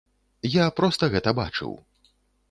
Я проста гэта бачыў.